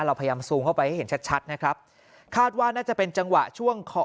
เราพยายามซูมเข้าไปให้เห็นชัดชัดนะครับคาดว่าน่าจะเป็นจังหวะช่วงขอ